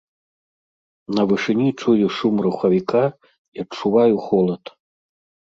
На вышыні чую шум рухавіка і адчуваю холад.